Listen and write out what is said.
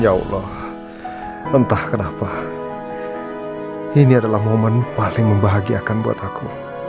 ya allah entah kenapa ini adalah momen paling membahagiakan buat aku